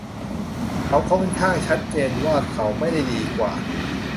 เขาค่อนข้างชัดเจนว่าเขาไม่ได้ดีกว่า